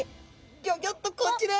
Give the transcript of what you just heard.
ギョギョッとこちら！